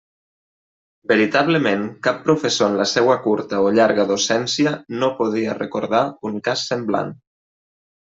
Veritablement cap professor en la seua curta o llarga docència no podia recordar un cas semblant.